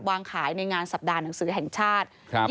วางขายในงานสัปดาห์หนังสือแห่งชาติ